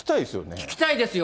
聞きたいですよ。